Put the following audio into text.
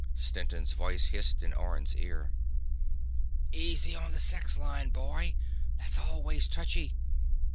Stetson's voice hissed in Orne's ears: _"Easy on the sex line, boy. That's always touchy.